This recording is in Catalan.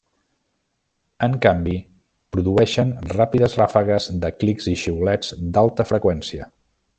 En canvi, produeixen ràpides ràfegues de clics i xiulets d'alta freqüència.